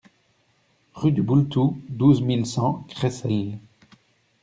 Rue du Boultou, douze mille cent Creissels